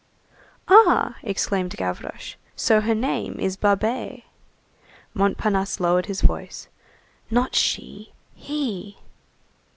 "Ah!" exclaimed Gavroche, "so her name is Babet." Montparnasse lowered his voice:— "Not she, he."